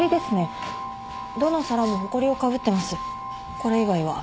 これ以外は。